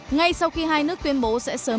ngay sau khi hai nước tuyên bố sẽ sớm